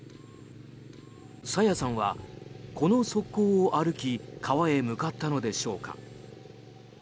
朝芽さんは、この側溝を歩き川へ向かったのでしょうか。